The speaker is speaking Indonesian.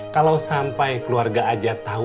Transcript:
kalau sampai keluarga ajat tau